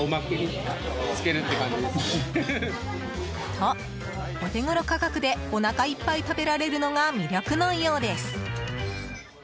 と、お手ごろ価格でおなかいっぱい食べられるのが魅力のようです。